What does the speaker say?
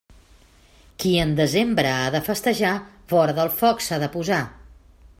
Qui en desembre ha de festejar, vora del foc s'ha de posar.